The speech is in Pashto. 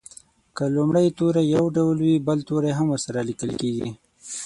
که لومړی توری یو ډول وي بل توری هم ورسره لیکل کیږي.